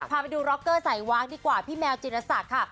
พาไปดูร็อกเกอร์สายวากดีกว่าพี่แมวจิรศักดิ์ค่ะ